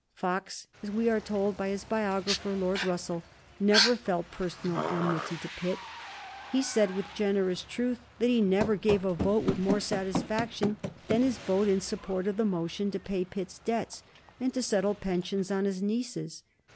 Fox, as we are told by his biographer, Lord Russell, never felt personal enmity to Pitt. He said, with generous truth, that he never gave a vote with more satisfaction than his vote in support of the motion to pay Pitt's debts and to settle pensions on his nieces.